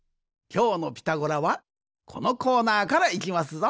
きょうの「ピタゴラ」はこのコーナーからいきますぞ。